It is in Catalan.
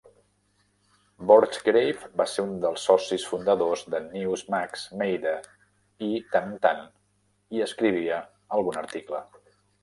Borchgrave va ser un dels socis fundadors de Newsmax Meida i, tant en tant, hi escrivia algun article.